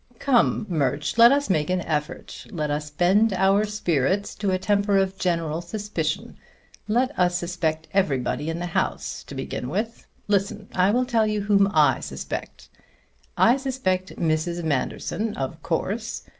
Come, Murch, let us make an effort; let us bend our spirits to a temper of general suspicion. Let us suspect everybody in the house, to begin with. Listen: I will tell you whom I suspect. I suspect Mrs. Manderson, of course.